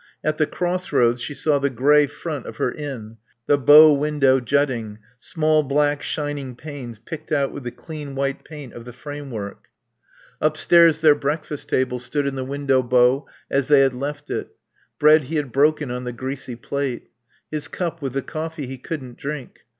At the crossroads she saw the grey front of her inn, the bow window jutting, small black shining panes picked out with the clean white paint of the frame work. Upstairs their breakfast table stood in the window bow as they had left it. Bread he had broken on the greasy plate. His cup with the coffee he couldn't drink.